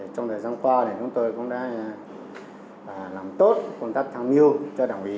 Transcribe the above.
trong thời gian qua thì chúng tôi cũng đã làm tốt công tác thăng miêu cho đảng ủy